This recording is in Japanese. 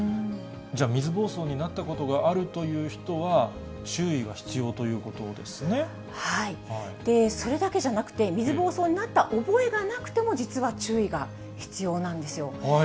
じゃあ、水ぼうそうになったことがあるという人は、注意が必要ということそれだけじゃなくて、水ぼうそうになった覚えがなくても、実は注意が必要なんですよ。